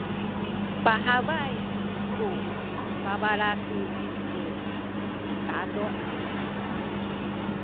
pahabay ku babalaki tu taduk.